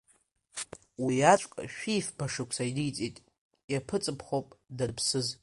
Уиаӡәк шәи фба шықәса ниҵит, иаԥыҵыԥхоуп даныԥсыз.